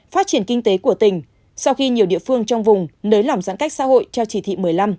phát triển kinh tế của tỉnh sau khi nhiều địa phương trong vùng nới lỏng giãn cách xã hội theo chỉ thị một mươi năm